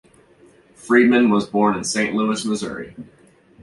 Friedman was born in Saint Louis, Missouri.